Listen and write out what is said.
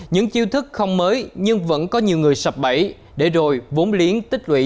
những chiêu thức không mới nhưng vẫn có nhiều người sập bẫy để rồi vốn liếng tích lũy